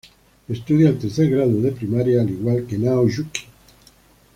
Estudia el tercer grado de primaria al igual que Nao Yuuki.